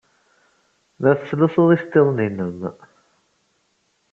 La tettlusuḍ iceḍḍiḍen-nnem.